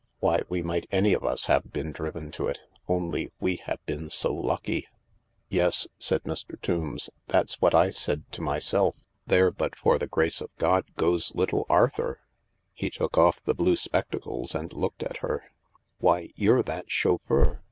Why, we might any of us have been driven to it — only we have been so lucky! " "Yes," said Mr. Tombs, "that's what I said to myself. 'There, but for the grace of God, goes little Arthur.' " He took off the blue spectacles and looked at her. " Why, you're that chauffeur